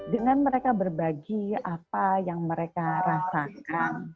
dengan mereka berbagi apa yang mereka rasakan